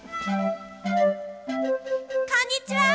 こんにちは！